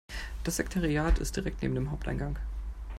Das Sekretariat ist direkt neben dem Haupteingang.